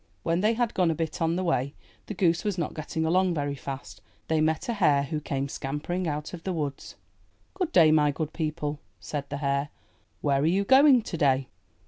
When they had gone a bit on the way — the goose was not getting along very fast — they met a hare, who came scampering out of the woods. ''Good day, my good people," said the hare. "Where are you going to day?"